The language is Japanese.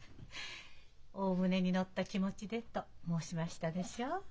大船に乗った気持ちでと申しましたでしょう。